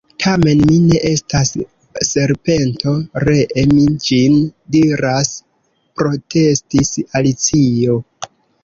"Tamen mi ne estas serpento, ree mi ĝin diras," protestis Alicio.